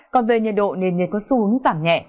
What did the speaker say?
còn về nhiệt độ nền nhiệt có xu hướng giảm nhẹ